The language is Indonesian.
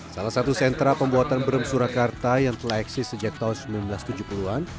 salah satu sentra pembuatan brem surakarta yang telah eksis sejak tahun seribu sembilan ratus tujuh puluh an